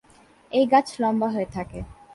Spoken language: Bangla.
এই গাছ লম্বা হয়ে থাকে।